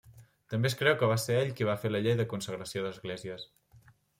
També es creu que va ser ell qui va fer la llei de consagració d'esglésies.